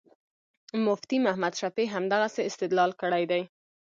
مفتي محمد شفیع همدغسې استدلال کړی دی.